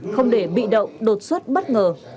không để bị đậu đột xuất bất ngờ